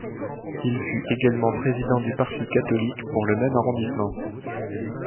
Il fut également président du Parti catholique pour le même arrondissement.